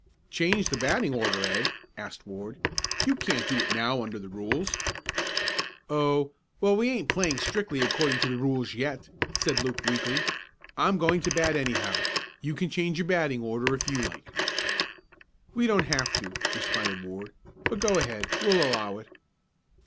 "Changed the batting order, eh?" asked Ward. "You can't do it now under the rules." "Oh, well, we ain't playing strictly according to rules yet," said Luke weakly. "I'm going to bat, anyhow. You can change your batting order if you like." "We don't have to," responded Ward. "But go ahead, we'll allow it."